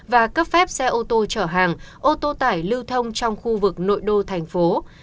và cấp phép xe ô tô chở hàng ô tô tải lưu thông trong khu vực nội đô thành phố